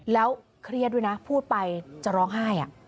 แล้วเครียดด้วยนะพูดไปจะร้องไห้